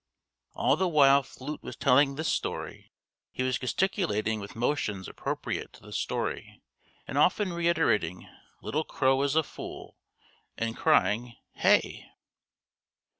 All the while Flute was telling this story he was gesticulating with motions appropriate to the story and often reiterating "Little Crow is a fool," and crying, "Hey!"